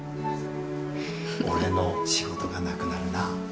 俺の仕事がなくなるな。